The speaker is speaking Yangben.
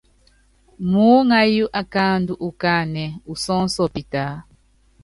Muúŋayú akáandú ukáánɛ usɔ́ɔ́nsɔ pitaá.